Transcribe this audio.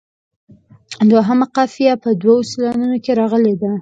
دوهمه قافیه په دوو سېلابونو کې راغلې ده.